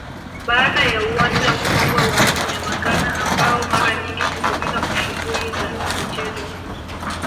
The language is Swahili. Baada ya Uwanja Mkongwe wa Nyamagana ambao mara nyingi hutumika kwa shughuli za Kimichezo